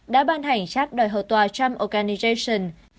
đã ban hành chắc đòi hợp tòa trump organization